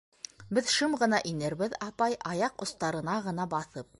- Беҙ шым ғына инербеҙ, апай, аяҡ остарына ғына баҫып.